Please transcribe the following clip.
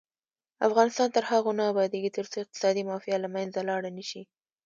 افغانستان تر هغو نه ابادیږي، ترڅو اقتصادي مافیا له منځه لاړه نشي.